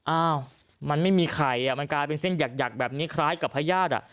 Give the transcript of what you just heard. อ้าวมันไม่มีไข่มันกลายเป็นเส้นหยักแบบนี้คล้ายกับพญาติ